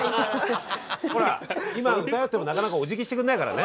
ほら今歌うってもなかなかお辞儀してくんないからね。